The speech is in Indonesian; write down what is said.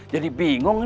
jadi bingung nih